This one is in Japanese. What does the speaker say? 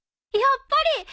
やっぱり！